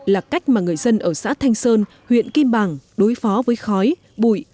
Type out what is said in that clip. là cách mà người dân ở xã thanh sơn huyện kim bàng đối phó với khói bụi